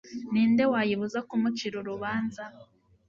ni nde wayibuza kumucira urubanza